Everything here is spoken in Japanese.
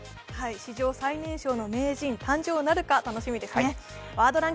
史上最年少の名人誕生なるか、楽しみですね。